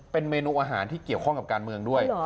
เป็นเมนูอาหารที่เกี่ยวข้องกับการเมืองด้วย